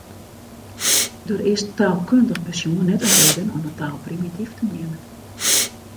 Der is taalkundich besjoen net in reden om in taal primityf te neamen.